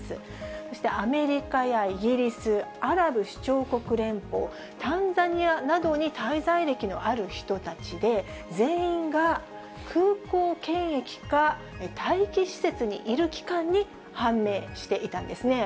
そして、アメリカやイギリス、アラブ首長国連邦、タンザニアなどに滞在歴のある人たちで、全員が空港検疫か待機施設にいる期間に判明していたんですね。